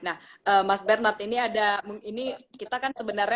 nah mas bernard ini ada ini kita kan sebenarnya